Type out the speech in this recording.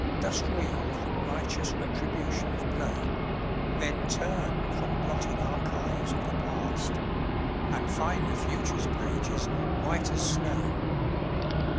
Dost reel from righteous Retribution's blow? Then turn from blotted archives of the past, And find the future's pages white as snow.